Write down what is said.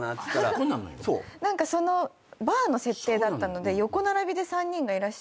何かバーの設定だったので横並びで３人がいらっしゃって。